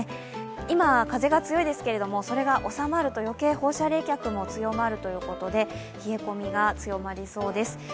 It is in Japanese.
今、風が強いですけれども、それが収まると余計、放射冷却も強まるということで冷え込みが強まりそうです。